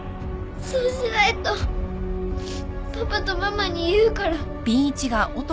そうしないとパパとママに言うから